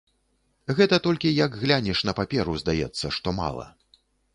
Гэта толькі, як глянеш на паперу, здаецца, што мала.